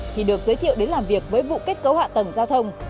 thì được giới thiệu đến làm việc với vụ kết cấu hạ tầng giao thông